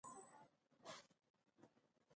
حجروی غشا د حجرې پرده ده